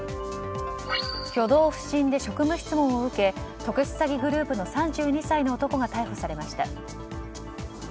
挙動不審で職務質問を受け特殊詐欺グループの３２歳の男が逮捕されました。